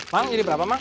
mang jadi berapa mang